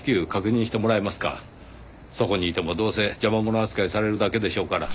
そこにいてもどうせ邪魔者扱いされるだけでしょうから。